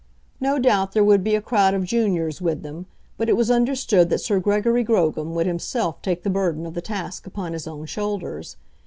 No doubt there would be a crowd of juniors with them, but it was understood that Sir Gregory Grogram would himself take the burden of the task upon his own shoulders.